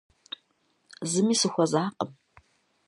Зыми сыхуэзакъым.